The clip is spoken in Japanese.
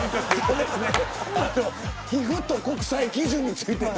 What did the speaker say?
皮膚と国際基準について。